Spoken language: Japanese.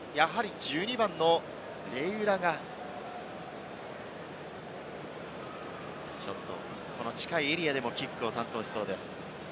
１２番のレウイラが、この近いエリアでもキックを担当しそうです。